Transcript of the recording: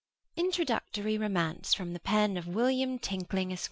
INTRODUCTORY ROMANCE PROM THE PEN OF WILLIAM TINKLING, ESQ.